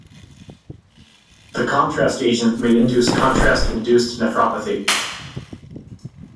The contrast agent may induce contrast-induced nephropathy.